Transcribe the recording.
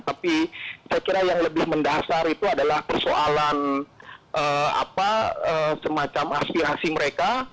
tapi saya kira yang lebih mendasar itu adalah persoalan semacam aspirasi mereka